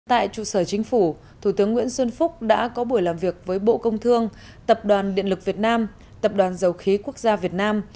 tại trụ sở chính phủ thủ tướng nguyễn xuân phúc đã có buổi làm việc với bộ công thương tập đoàn điện lực việt nam tập đoàn dầu khí quốc gia việt nam